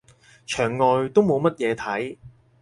牆外都冇乜嘢睇